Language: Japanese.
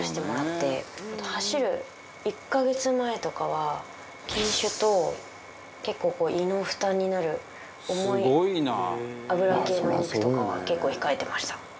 走る１カ月前とかは禁酒と結構胃の負担になる重い脂系のお肉とかは結構控えてました。